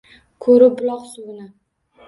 Ko‘rib buloq suvini